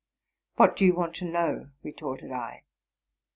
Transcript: ''— What do you want to know?"' retorted I.